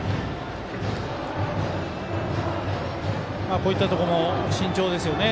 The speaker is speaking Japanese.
こういったところも慎重ですね。